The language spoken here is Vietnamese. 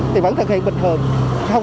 thì vẫn thực hiện bình thường